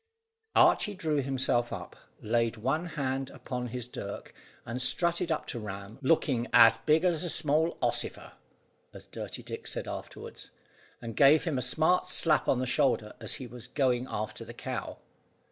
Archy drew himself up, laid one hand upon his dirk, and strutted up to Ram, looking "as big as a small ossifer," as Dirty Dick said afterwards; and gave him a smart slap on the shoulder as he was going after the cow.